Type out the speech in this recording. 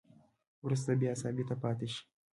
وروسته بیا ثابته پاتې شوې